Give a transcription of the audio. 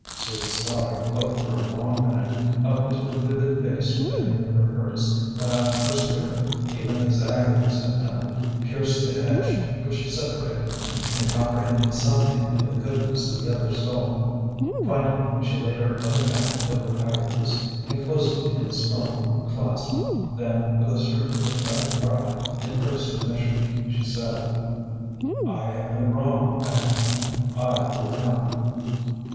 Susan Stoddard looked for a long minute up into the vivid face bending over hers, while her spirit, even as Agatha's had done, pierced the hedge which separated them, and comprehended something of the goodness in the other's soul. Finally she laid her other hand over Agatha's, enclosing it in a strong clasp. Then, with a certain pathetic pride in her submission, she said: "I have been wrong, Agatha; I will come."